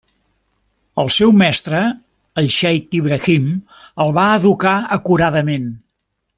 El seu mestre, el xeic Ibrahim, el va educar acuradament.